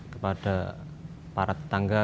kepada para tetangga